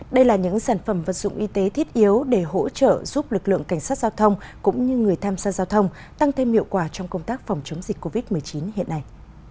đây là những sản phẩm vật dụng y tế thiết yếu để hỗ trợ giúp lực lượng cảnh sát giao thông cũng như người tham gia giao thông tăng thêm hiệu quả trong công tác phòng chống dịch covid một mươi chín hiện nay